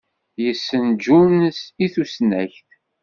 Yessen Jun i tusnakt.